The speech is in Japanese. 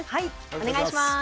お願いします。